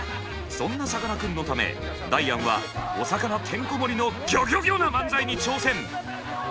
そんなさかなクンのためダイアンはお魚てんこ盛りのギョギョギョ！な漫才に挑戦。